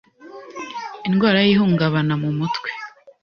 indwara y’ihungabana mu mutwe